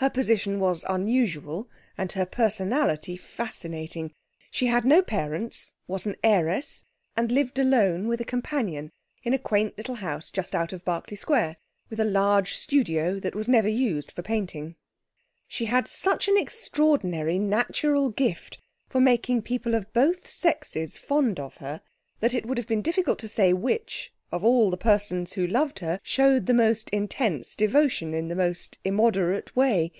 Her position was unusual, and her personality fascinating. She had no parents, was an heiress, and lived alone with a companion in a quaint little house just out of Berkeley Square, with a large studio, that was never used for painting. She had such an extraordinary natural gift for making people of both sexes fond of her, that it would have been difficult to say which, of all the persons who loved her, showed the most intense devotion in the most immoderate way.